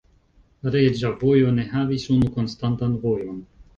Reĝa Vojo ne havis unu konstantan vojon.